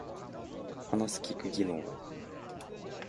話す聞く技能